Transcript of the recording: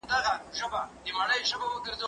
زه انځورونه رسم کړي دي؟!